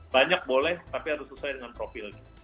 banyak boleh tapi harus sesuai dengan profilnya